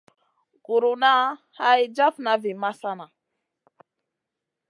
Guruna hay jafna vi masana.